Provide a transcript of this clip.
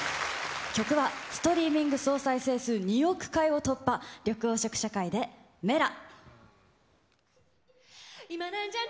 曲はストリーミング総再生回数２億回を突破、緑黄色社会でＭｅｌａ！